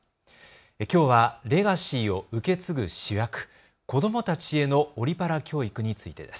きょうはレガシーを受け継ぐ主役、子どもたちへのオリパラ教育についてです。